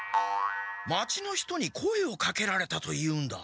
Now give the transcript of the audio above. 町の人に声をかけられたと言うんだ。